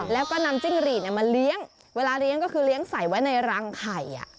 แล้วก็นำจิ้งหรีดมาเลี้ยงเวลาเลี้ยงก็คือเลี้ยงใส่ไว้ในรังไข่